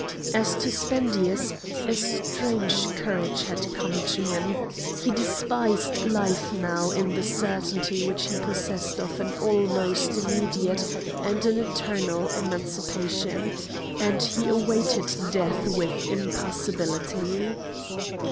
As to Spendius, a strange courage had come to him; he despised life now in the certainty which he possessed of an almost immediate and an eternal emancipation, and he awaited death with impassibility.